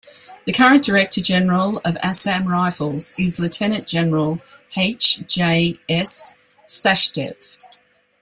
The current director general of Assam Rifles is Lieutenant Gen H J S Sachdev.